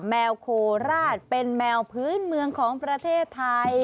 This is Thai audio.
แมวโคราชเป็นแมวพื้นเมืองของประเทศไทย